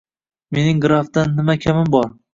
Mening grafdan nima kamim bor?